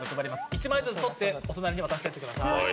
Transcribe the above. １枚ずつとってお隣に渡していってください。